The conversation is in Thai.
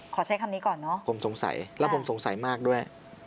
ใช้คำนี้ก่อนเนอะผมสงสัยแล้วผมสงสัยมากด้วย